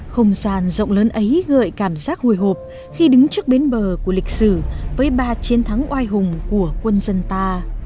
không gian rộng lớn ấy gợi cảm giác hồi hộp khi đứng trước bến bờ của lịch sử với ba chiến thắng oai hùng của quân dân ta